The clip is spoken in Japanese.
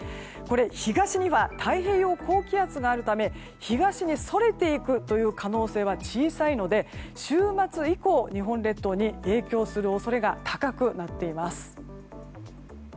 東には太平洋高気圧があるため東にそれていくという可能性は小さいので週末以降、日本列島に影響する恐れが高くなっています。